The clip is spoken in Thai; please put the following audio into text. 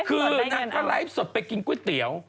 คืออะไรนางก็ไลฟ์สดไปกินก๋วยเตี๋ยว